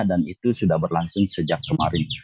dan itu sudah berlangsung sejak kemarin